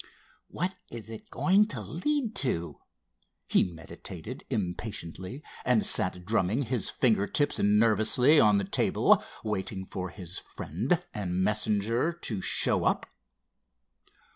"What is it going to lead to?" he meditated impatiently and sat drumming his finger tips nervously on the table, waiting for his friend and messenger to show up.